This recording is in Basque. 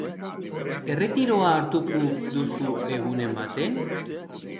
Erretiroa hartuko duzu egunen baten?